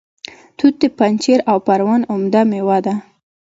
توت د پنجشیر او پروان عمده میوه ده